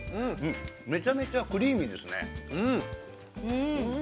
めちゃめちゃクリーミーですね。